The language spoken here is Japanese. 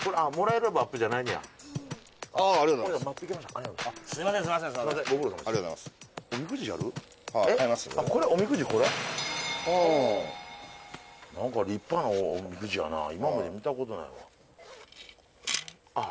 えっ何か立派なおみくじやなあ今まで見たことないわああ